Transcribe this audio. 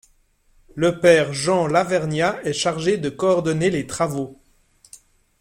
Le père Jean Lavergnat est chargé de coordonner les travaux.